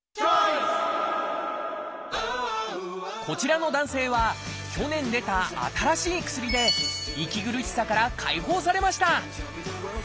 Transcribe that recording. こちらの男性は去年出た新しい薬で息苦しさから解放されました。